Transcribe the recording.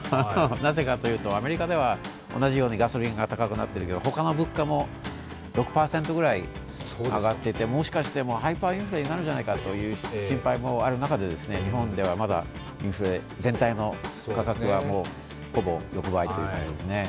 なぜかというと、アメリカでは同じようにガソリンが高くなっているけど、他の物価も６％くらい上がっていて、もしかしてハイパーインフレになるんじゃないかという心配もある中で日本ではまだインフレ、全体の価格がほぼ横ばいという感じですね。